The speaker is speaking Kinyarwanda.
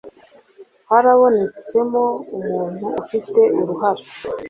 harabonetsemo umuntu ufite uruhara,